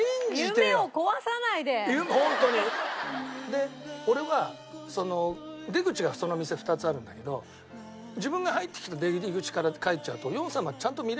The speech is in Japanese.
で俺は出口がその店２つあるんだけど自分が入ってきた出入り口から帰っちゃうと。